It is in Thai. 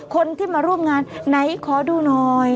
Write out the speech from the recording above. คนที่มาร่วมงานไหนขอดูหน่อย